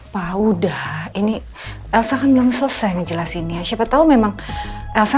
kedah kelahirkan wisata dia jenis ini udah morph dosa